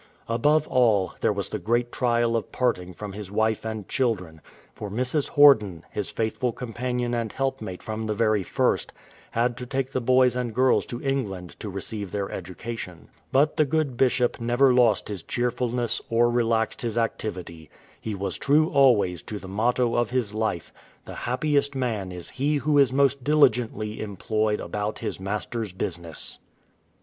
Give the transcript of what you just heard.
Above all, there was the great trial of parting from his wife and children, for Mrs. Horden, his faithful companion and helpmate from the very first, had to take the boys and girls to England to receive their education. But the good Bishop never 196 "SI MONUMENTUM REQUIRIS" lost his cheerfulness or relaxed his activity. He was true always to the motto of his life •'* Tlie Jiajipiest man is he who is most diUgeiitltj einployed ahoict his Master'^s business.